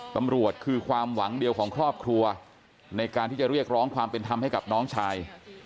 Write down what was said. ตำรวจคือความหวังเดียวของครอบครัวในการที่จะเรียกร้องความเป็นธรรมให้กับน้องชาย